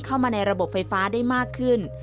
เข้ามาในระบบไฟฟ้าได้มากขึ้น